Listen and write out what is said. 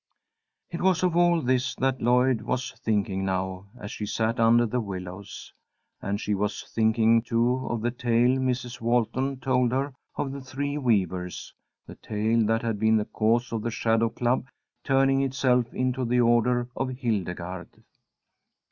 It was of all this that Lloyd was thinking now, as she sat under the willows. And she was thinking, too, of the tale Mrs. Walton told her of The Three Weavers; the tale that had been the cause of the Shadow Club turning itself into the Order of Hildegarde.